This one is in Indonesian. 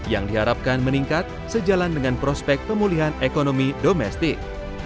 yang diharapkan meningkat sejalan dengan prospek pemulihan ekonomi domestik